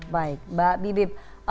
baik mbak bibip